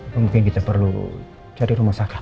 mungkin kita perlu cari rumah sakit